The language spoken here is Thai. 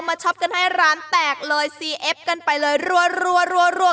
ช็อปกันให้ร้านแตกเลยซีเอฟกันไปเลยรัว